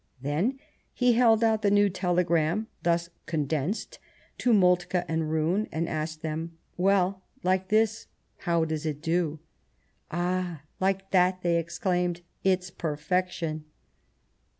Then he held out the new telegram, thus " con 'densed," to Moltke and Roon, and asked them: " Well, like this, how does it do ?"" Ah ! like that," they exclaimed, " it's per fection."